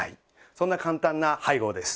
そんな簡単な配合です。